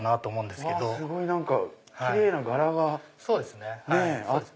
すごいキレイな柄があって。